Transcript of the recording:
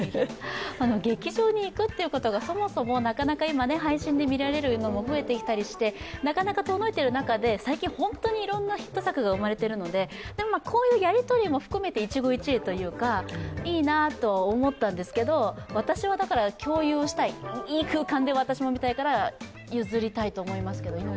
劇場に行くということがそもそも今、配信で見られるのも増えてきたりしてなかなか遠のいてる中で、最近、いろんなヒット作が生まれているのででも、こういうやり取りも含めて一期一会というか、いいなとは思ったんですけど私は共有したい、いい空間で私も見たいから譲りたいと思いますが。